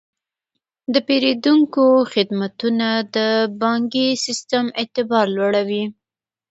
د پیرودونکو خدمتونه د بانکي سیستم اعتبار لوړوي.